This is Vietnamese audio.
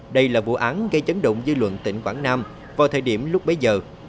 đây là vụ án gây chấn động dư luận tỉnh quảng nam vào thời điểm lúc bấy giờ